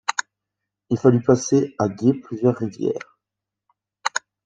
Il fallut passer à gué plusieurs rivières.